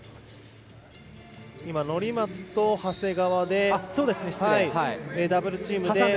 乗松と長谷川でダブルチームで。